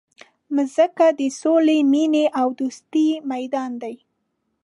مځکه د سولي، مینې او دوستۍ میدان دی.